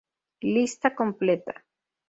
Lista completa.